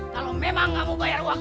kalau memang kamu bayar uang